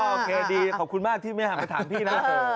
โอเคดีขอบคุณมากที่ไม่หันไปถามพี่นะ